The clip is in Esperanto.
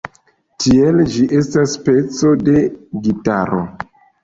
Tiele ĝi estas speco de gitaro.